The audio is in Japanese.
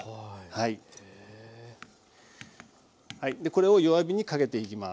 これを弱火にかけていきます。